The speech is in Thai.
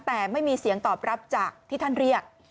แต่ไม่มีเสียงตอบรับจากที่ท่านเรียก